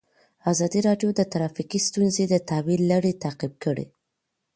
ازادي راډیو د ټرافیکي ستونزې د تحول لړۍ تعقیب کړې.